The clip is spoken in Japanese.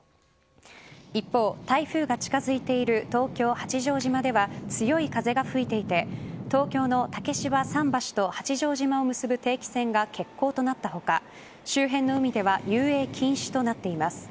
一方、台風が近づいている東京・八丈島では強い風が吹いていて東京の竹芝桟橋と八丈島を結ぶ定期船が欠航となった他周辺の海では遊泳禁止となっています。